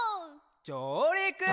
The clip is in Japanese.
じょうりく！